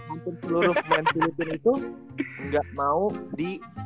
itu ga mau di